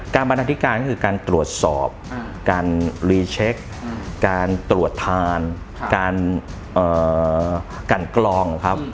บรรณาธิการก็คือการตรวจสอบการรีเช็คการตรวจทานการกันกรองครับ